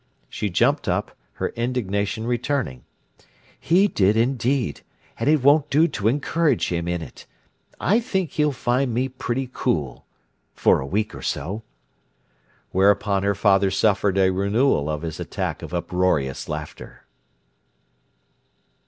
She jumped up, her indignation returning. "He did, indeed, and it won't do to encourage him in it. I think he'll find me pretty cool—for a week or so!" Whereupon her father suffered a renewal of his attack of uproarious laughter.